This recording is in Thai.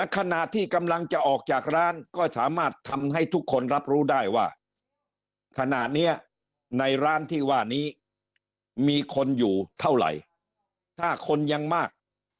ขณะที่กำลังจะออกจากร้านก็สามารถทำให้ทุกคนรับรู้ได้ว่าขณะนี้ในร้านที่ว่านี้มีคนอยู่เท่าไหร่ถ้าคนยังมาก